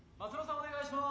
お願いします！